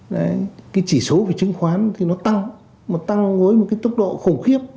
đấy cái chỉ số về chứng khoán thì nó tăng mà tăng với một cái tốc độ khủng khiếp